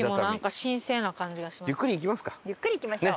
ゆっくり行きましょう。